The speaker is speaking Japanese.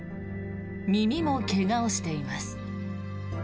耳も怪我をしています。